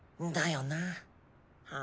だよな。